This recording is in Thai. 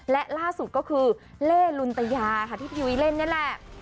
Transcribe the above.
และล่าสุดก็คือเล่ลุนตยาค่ะที่พี่ยุ้ยเล่นนี่แหละ